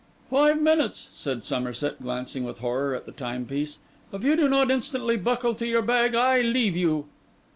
'Five minutes!' said Somerset, glancing with horror at the timepiece. 'If you do not instantly buckle to your bag, I leave you.